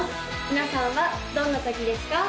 皆さんはどんなときですか？